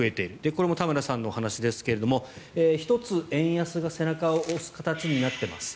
これも田村さんのお話ですが１つ、円安が背中を押す形になっています。